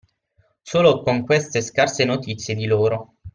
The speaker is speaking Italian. Solo con queste scarse notizie di loro.